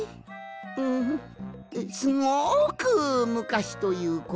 うんすごくむかしということかの。